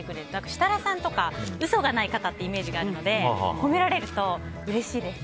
設楽さんとか嘘がない方っていうイメージがあるので褒められるとうれしいです。